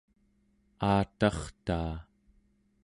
aatartaa